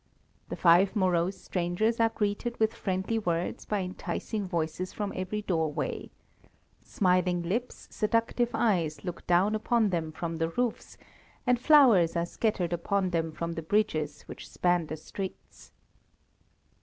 The five morose strangers are greeted with friendly words by enticing voices from every doorway. Smiling lips, seductive eyes, look down upon them from the roofs, and flowers are scattered upon them from the bridges which span the streets.